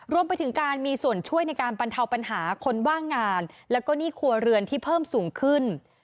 รวมไปถึงการมีส่วนช่วยในการบรรเทาปัญหาคนว่างงานแล้วก็หนี้ครัวเรือนที่เพิ่มสูงขึ้น